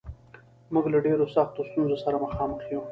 موږ له ډېرو سختو ستونزو سره مخامخ یو